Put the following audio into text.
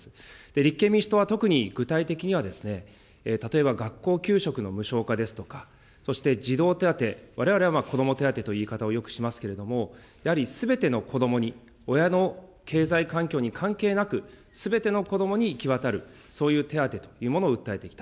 立憲民主党は特に具体的には、例えば、学校給食の無償化ですとか、そして児童手当、われわれは子ども手当という言い方をよくしますけれども、やはりすべての子どもに、親の経済環境に関係なく、すべての子どもに行き渡る、そういう手当というものを訴えてきた。